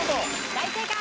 大正解！